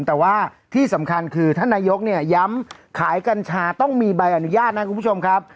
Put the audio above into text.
แต่สำคัญของท่านนายกย้ำขายกัญชาต้องมีใบอนุญาตนะครับ